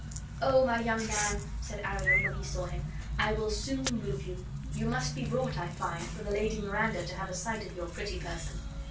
"Oh, my young gentleman," said Ariel, when he saw him, 'I will soon move you. You must be brought, I find, for the Lady Miranda to have a sight of your pretty person.